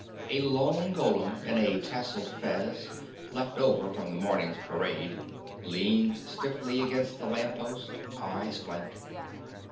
A lone golem in a tasseled fez, left over from the morning's parade, leaned stiffly against a lamp post, eyes blank.